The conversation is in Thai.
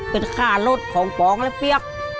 เป็นค่ารถของปองและเปี๊ยก